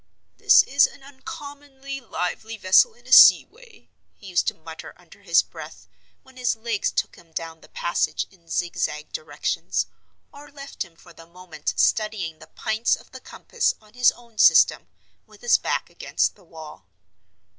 "This is an uncommonly lively vessel in a sea way," he used to mutter under his breath, when his legs took him down the passage in zigzag directions, or left him for the moment studying the "Pints of the Compass" on his own system, with his back against the wall.